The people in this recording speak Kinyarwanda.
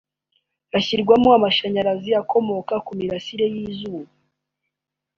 hashyirwamo amashanyarazi akomoka ku mirasire y’izuba